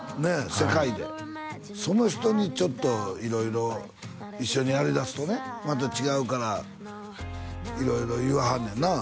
世界でその人にちょっと色々一緒にやりだすとねまた違うから色々言わはんねんな？